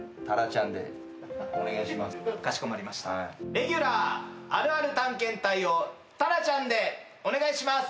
レギュラー「あるある探検隊」をタラちゃんでお願いします。